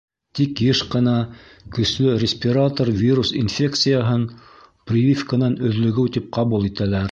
Тик йыш ҡына көслө респиратор вирус инфекцияһын прививканан өҙлөгөү тип ҡабул итәләр.